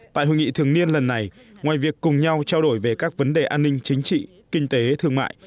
tại hội nghị thường niên lần này ngoài việc cùng nhau trao đổi về các vấn đề an ninh chính trị kinh tế thương mại